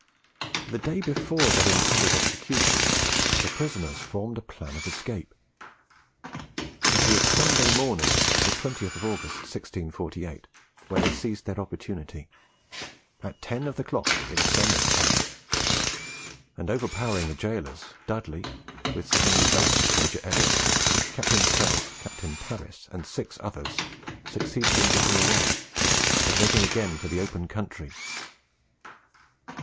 The day before their intended execution, the prisoners formed a plan of escape. It was Sunday morning, the 20th August, 1648, when they seized their opportunity, "at ten of the cloeke in sermon time;" and, overpowering the gaolers, Dudley, with Sir Henry Bates, Major Elliotts, Captain South, Captain Paris, and six others, succeeded in getting away, and making again for the open country.